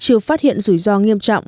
chưa phát hiện rủi ro nghiêm trọng